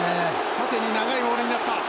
縦に長いモールになった。